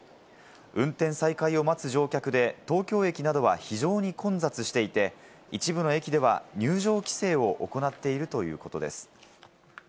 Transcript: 運転再開を待つ乗客で、東京駅などは非常に混雑していて、一部の駅では入場規制を行っているということです。